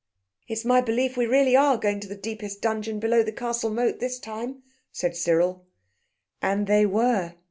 "It's my belief we really are going to the deepest dungeon below the castle moat this time," said Cyril. And they were.